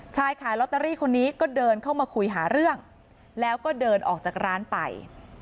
ขายลอตเตอรี่คนนี้ก็เดินเข้ามาคุยหาเรื่องแล้วก็เดินออกจากร้านไป